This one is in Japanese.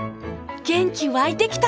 元気湧いてきた！